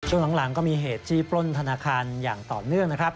ช่วงหลังก็มีเหตุจี้ปล้นธนาคารอย่างต่อเนื่องนะครับ